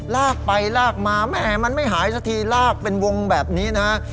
ลากไปลากมาแม่มันไม่หายสักทีลากเป็นวงแบบนี้นะฮะ